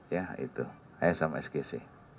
ya itu as sama sgc